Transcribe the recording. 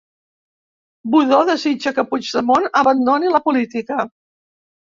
Budó desitja que Puigdemont abandoni la política